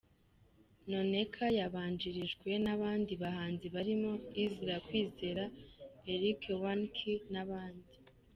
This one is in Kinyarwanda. Nneka yabanjirijwe n’abandi bahanzi barimo Ezra Kwizera, Eric One Key n’abandi.